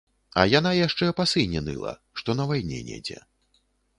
А яна яшчэ па сыне ныла, што на вайне недзе.